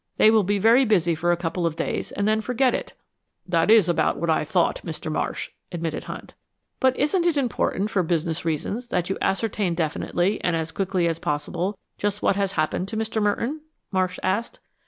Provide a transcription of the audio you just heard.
They will be very busy for a couple of days and then forget it." "That is about what I thought, Mr. Marsh," admitted Hunt. "But isn't it important, for business reasons, that you ascertain definitely, and as quickly as possible, just what has happened to Mr. Merton?" Marsh asked.